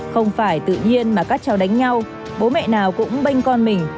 không phải tự nhiên mà các cháu đánh nhau bố mẹ nào cũng bênh con mình